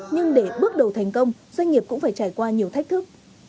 nhưng để bước đầu thành công doanh nghiệp cũng phải trải qua nhiều thách thức